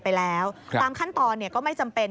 ไปแล้วตามขั้นตอนก็ไม่จำเป็น